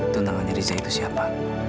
tunangannya rizal itu siapa